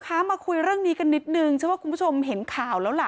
คะมาคุยเรื่องนี้กันนิดนึงฉันว่าคุณผู้ชมเห็นข่าวแล้วล่ะ